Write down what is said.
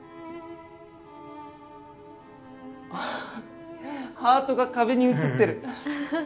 あっハートが壁に映ってる！